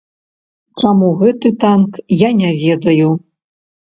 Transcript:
Чаму гэты танк, я не ведаю.